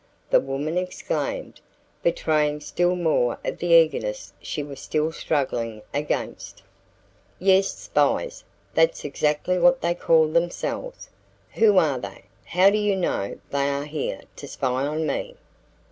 the woman exclaimed, betraying still more of the eagerness she was still struggling against. "Yes spies. That's exactly what they call themselves." "Who are they? how do you know they are here to spy on me?"